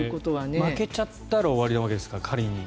仮に負けちゃったら終わりなわけですから。